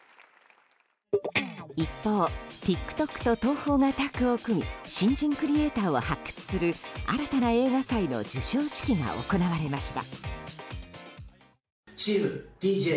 一方、ＴｉｋＴｏｋと東宝がタッグを組み新人クリエーターを発掘する新たな映画祭の授賞式が行われました。